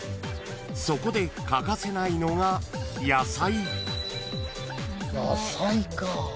［そこで欠かせないのが野菜］